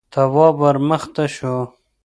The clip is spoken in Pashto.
تواب ور مخته شو: